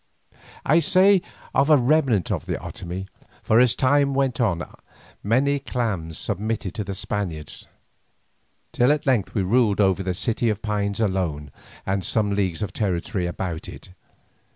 I say of a remnant of the Otomie, for as time went on many clans submitted to the Spaniards, till at length we ruled over the City of Pines alone and some leagues of territory about it.